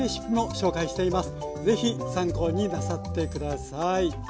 是非参考になさって下さい。